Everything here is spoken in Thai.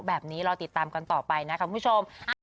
แบบนี้รอติดตามกันต่อไปนะคะคุณผู้ชม